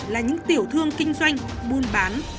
là những tiểu thương kinh doanh buôn bán